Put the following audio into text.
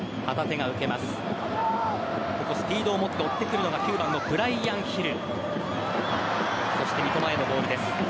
スピードを持って追ってくるのが９番、ブライアン・ヒル。